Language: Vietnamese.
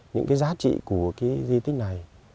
những giá trị của di tích này